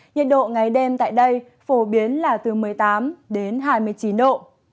nhiệt độ ngày đêm tại đây phổ biến là từ một mươi tám đến hai mươi chín độ